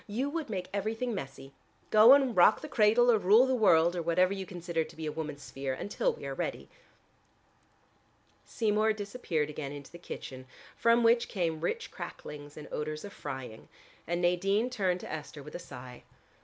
You would make everything messy. Go and rock the cradle or rule the world, or whatever you consider to be a woman's sphere, until we are ready." Seymour disappeared again into the kitchen from which came rich cracklings and odors of frying, and Nadine turned to Esther with a sigh.